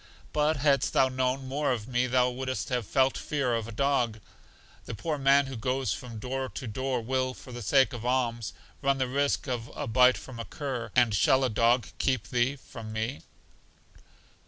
But hadst thou known more of me thou wouldst not have felt fear of a dog. The poor man who goes from door to door will, for the sake of alms, run the risk of a bite from a cur; and shall a dog keep thee from me?